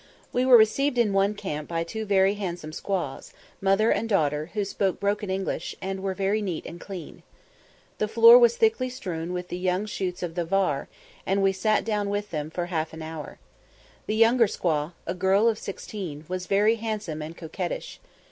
We were received in one camp by two very handsome squaws, mother and daughter, who spoke broken English, and were very neat and clean. The floor was thickly strewn with the young shoots of the var, and we sat down with them for half an hour. The younger squaw, a girl of sixteen, was very handsome and coquettish.